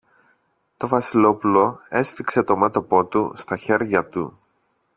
Το Βασιλόπουλο έσφιξε το μέτωπο του στα χέρια του.